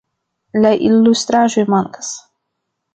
La ilustraĵoj mankas.